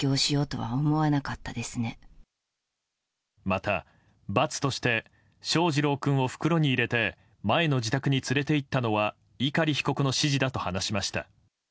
また、罰として翔士郎君を袋に入れて前の自宅に連れて行ったのは碇被告の指示だと話しました。